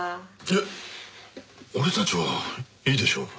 えっ俺たちはいいでしょう。